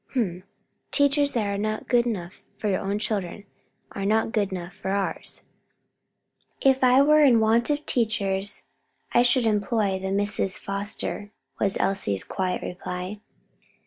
"H'm! teachers that are not good enough for your children, are not good enough for ours." "If I were in want of teachers, I should employ the Misses Foster," was Elsie's quiet reply.